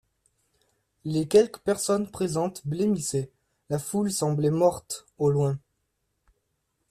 Les quelques personnes présentes blêmissaient, la foule semblait morte, au loin.